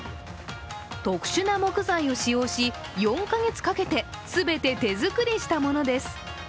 特殊な木材を使用し、４か月かけて全て手作りしたものです。